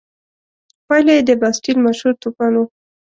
پایله یې د باسټیل مشهور توپان و.